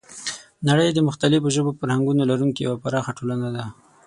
نړۍ د مختلفو ژبو او فرهنګونو لرونکی یوه پراخه ټولنه ده.